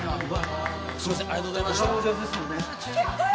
すいませんありがとうございました。え！？